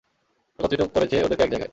একত্রিত করেছে ওদেরকে এক জায়গায়!